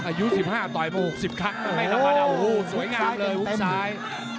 อายุ๑๕ต่อยมา๖๐ครั้งไม่ได้ต้องมาเดาหู้สวยงามเลยฮุกซ้าย